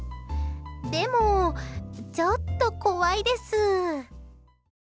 でも、ちょっと怖いです。